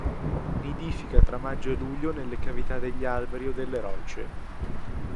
Nidifica tra maggio e luglio nelle cavità degli alberi o delle rocce.